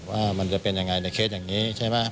ว่ามันจะเป็นยังไงในเคสอย่างนี้ใช่ไหม